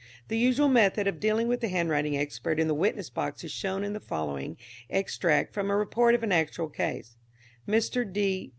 The usual method of dealing with the handwriting expert in the witness box is shown in the following extract from a report of an actual case. Mr.